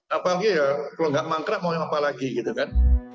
apalagi ya kalau nggak mangkrak mau apa lagi gitu kan